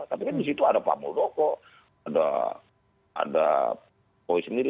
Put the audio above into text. tapi kan di situ ada pak muldoko ada pak jokowi sendiri